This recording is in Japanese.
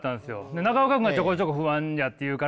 中岡君がちょこちょこ不安やって言うから。